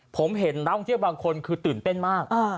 ผมเห็นนักท่องเที่ยวบางคนคือตื่นเต้นมาก